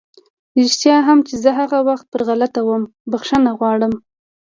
رښتيا هم چې زه هغه وخت پر غلطه وم، بښنه غواړم!